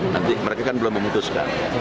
nanti mereka kan belum memutuskan